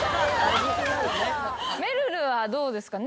めるるはどうですか？